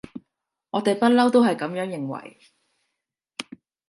我哋不溜都係噉樣認為